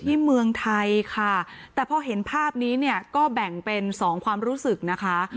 เมืองไทยค่ะแต่พอเห็นภาพนี้เนี่ยก็แบ่งเป็นสองความรู้สึกนะคะ